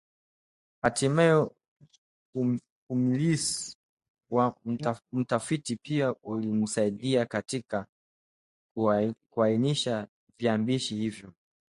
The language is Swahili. Hatimaye umilisi wa mtafiti pia ulimsaidia katika kuainisha viambishi hivyo